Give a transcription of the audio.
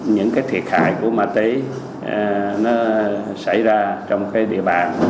những cái thiệt hại của ma túy nó xảy ra trong cái địa bàn